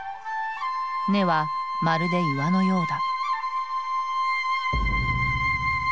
根はまるで岩のようだ。